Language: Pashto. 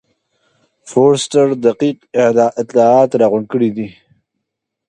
فورسټر دقیق اطلاعات راغونډ کړي دي.